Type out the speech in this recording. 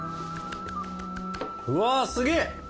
うわすげえ。